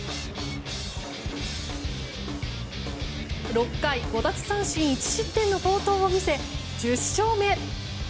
６回５奪三振１失点の好投を見せ１０勝目。